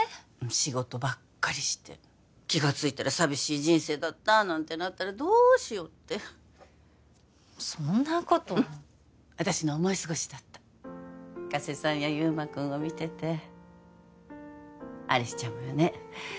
仕事ばっかりして気がついたら寂しい人生だったなんてなったらどうしようってそんなことはうん私の思い過ごしだった加瀬さんや祐馬くんを見てて有栖ちゃんもよね